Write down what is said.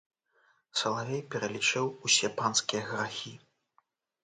Салавей пералічыў усе панскія грахі.